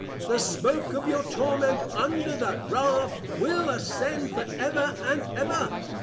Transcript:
The smoak of your Torment under that Wrath, will Ascend for ever and ever!